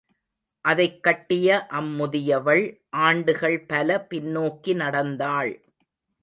அதைக் கட்டிய அம்முதியவள் ஆண்டுகள் பல பின்னோக்கி நடந்தாள்.